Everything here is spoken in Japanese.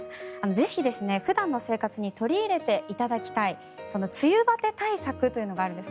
ぜひ普段の生活に取り入れていただきたい梅雨バテ対策というのがあるんです。